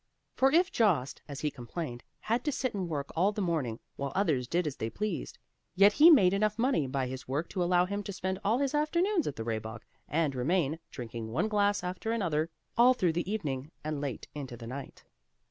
For if Jost, as he complained, had to sit and work all the morning, while others did as they pleased, yet he made enough money by his work to allow him to spend all his afternoons at the Rehbock, and remain, drinking one glass after another, all through the evening, and late into the night.